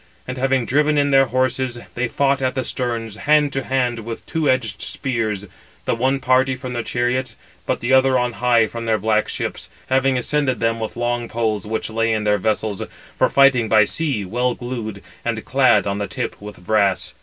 And having driven in their horses, they fought at the sterns, hand to hand with two edged spears, the one party from their chariots, but the other on high from their black ships, having ascended them with long poles which lay in their vessels, for fighting by sea, well glued, and clad on the tip with brass.